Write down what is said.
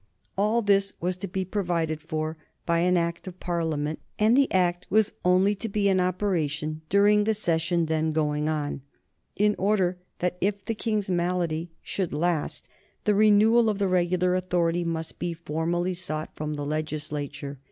All this was to be provided for by an Act of Parliament, and the Act was only to be in operation during the session then going on, in order that if the King's malady should last the renewal of the regular authority must be formally sought from the Legislature.